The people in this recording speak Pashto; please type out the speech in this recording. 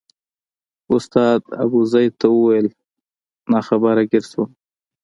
استاد ابوزید ته وویل ناخبره ګیر شوم.